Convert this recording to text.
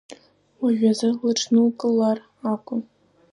Уажәазы лыҽнылкылар акәын.